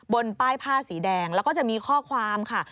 บนป้ายผ้าสีแดงแล้วก็จะมีข้อความค่ะ